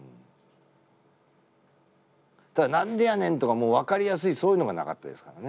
ただ「なんでやねん」とか分かりやすいそういうのがなかったですからね。